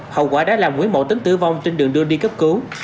hậu quả đã làm nguyễn mậu tính tử vong trên đường đưa đi cấp cứu